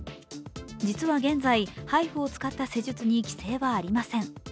実は現在、ＨＩＦＵを使った施術に規制はありません。